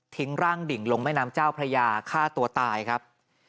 ร่างดิ่งลงแม่น้ำเจ้าพระยาฆ่าตัวตายครับ